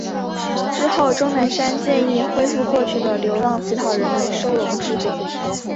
之后钟南山建议恢复过去的流浪乞讨人员收容制度。